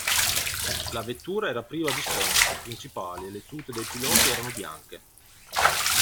La vettura era priva di sponsor principali e le tute dei piloti erano bianche.